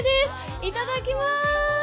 いただきます。